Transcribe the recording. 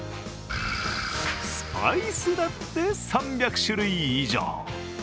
スパイスだって、３００種類以上。